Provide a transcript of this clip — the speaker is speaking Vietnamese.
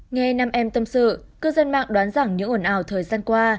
nghe năm em tâm sự cư dân mạng đoán rằng những ổn ảo thời gian qua